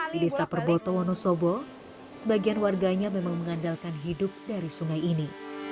di desa perboto wonosobo sebagian warganya memang mengandalkan hidup dari sungai ini